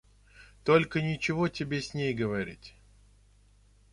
Только нечего тебе с ней говорить.